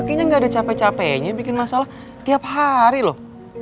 kayaknya gak ada cape cape nya bikin masalah tiap hari loh